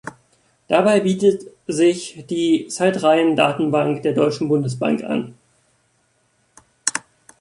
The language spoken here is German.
Dabei bietet sich die Zeitreihen-Datenbank der Deutschen Bundesbank an.